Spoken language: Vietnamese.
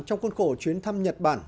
trong cuốn khổ chuyến thăm nhật bản